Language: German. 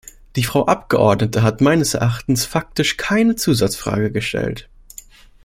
Die Frau Abgeordnete hat meines Erachtens faktisch keine Zusatzfrage gestellt.